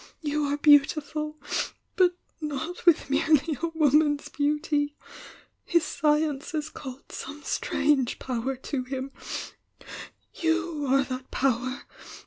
You are beautiful — but not with merely a woman's beauty! — his science has called some strange power to him — you are that power!